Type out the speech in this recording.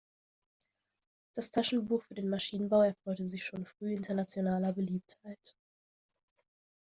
Das Taschenbuch für den Maschinenbau erfreute sich schon früh internationaler Beliebtheit.